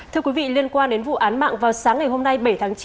thưa quý vị liên quan đến vụ án mạng vào sáng ngày hôm nay bảy tháng chín